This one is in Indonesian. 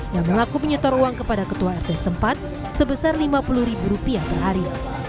yang melakukan menyotor uang kepada ketua rt sempat sebesar rp lima puluh per hari